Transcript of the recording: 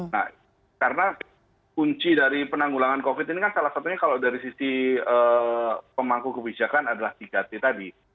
nah karena kunci dari penanggulangan covid ini kan salah satunya kalau dari sisi pemangku kebijakan adalah tiga t tadi